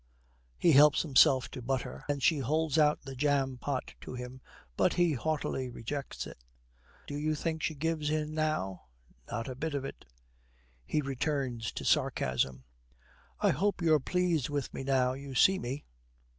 He helps himself to butter, and she holds out the jam pot to him, but he haughtily rejects it. Do you think she gives in now? Not a bit of it. He returns to sarcasm, 'I hope you're pleased with me now you see me.'